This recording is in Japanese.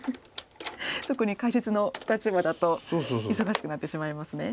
特に解説の立場だと忙しくなってしまいますね。